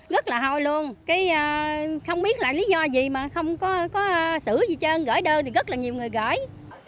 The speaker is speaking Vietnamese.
rất là hôi luôn không biết lý do gì mà không có xử gì trơn gửi đơn thì rất là nhiều người gửi